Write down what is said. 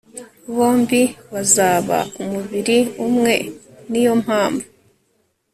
bombi bazaba umubiri umwe' ni yo mpamvu